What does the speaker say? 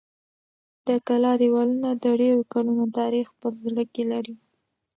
د کلا دېوالونه د ډېرو کلونو تاریخ په زړه کې لري.